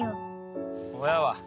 親は？